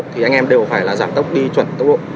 thì anh em đều phải là giảm tốc đi chuẩn tốc độ